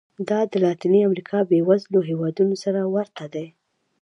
دا د لاتینې امریکا بېوزلو هېوادونو سره ورته دي.